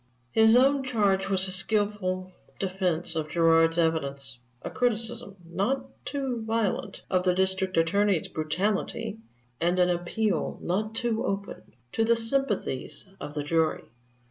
His own charge was a skillful defense of Gerard's evidence, a criticism, not too violent, of the District Attorney's brutality, and an appeal, not too open, to the sympathies of the jury.